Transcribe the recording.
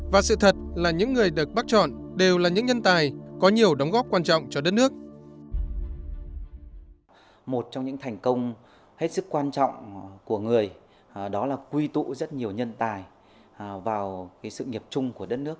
và sự thật là những người được bác chọn đều là những nhân tài có nhiều đóng góp quan trọng cho đất nước